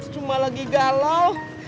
cuma lagi galau